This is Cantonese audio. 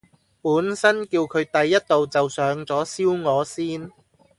本身叫佢第一道就上左燒鵝先